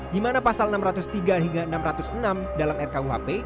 di mana pasal enam ratus tiga hingga enam ratus enam dalam rkuhp